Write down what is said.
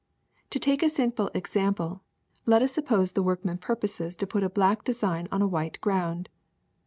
^'To take a simple example, let us suppose the workman proposes to put a black design on a white ground.